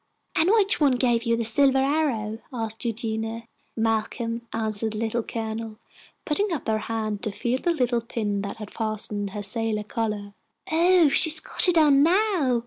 "And which one gave you the silver arrow?" asked Eugenia. "Malcolm," answered the Little Colonel, putting up her hand to feel the little pin that fastened her sailor collar. "Oh, she's got it on now!"